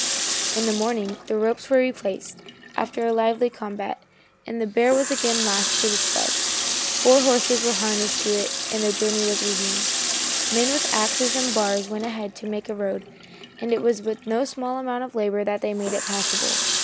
In the morning the ropes were replaced, after a lively combat, and the bear was again lashed to the sled. Four horses were harnessed to it and the journey was resumed. Men with axes and bars went ahead to make a road, and it was with no small amount of labor that they made it passable.